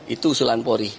itu usulan polri